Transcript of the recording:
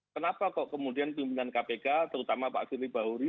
kenapa kok kemudian pimpinan kpk terutama pak firly bahuri